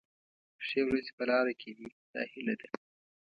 ښې ورځې په لاره کې دي دا هیله ده.